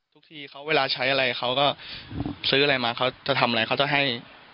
ทีเขาเวลาใช้อะไรเขาก็ซื้ออะไรมาเขาจะทำอะไรเขาจะให้